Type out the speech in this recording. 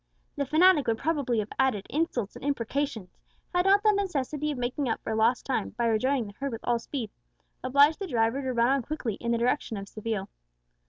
The fanatic would probably have added insults and imprecations, had not the necessity of making up for lost time, by rejoining the herd with all speed, obliged the driver to run on quickly in the direction of Seville.